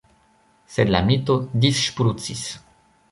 Sed la mito disŝprucis.